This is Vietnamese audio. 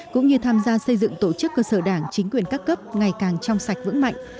cũng như tham gia xây dựng tổ chức cơ sở đảng chính quyền các cấp ngày càng trong sạch vững mạnh